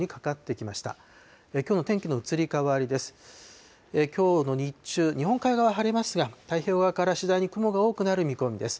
きょうの日中、日本海側、晴れますが、太平洋側から次第に雲が多くなる見込みです。